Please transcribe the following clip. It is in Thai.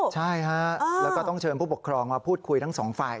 ใช่ฮะแล้วก็ต้องเชิญผู้ปกครองมาพูดคุยทั้งสองฝ่าย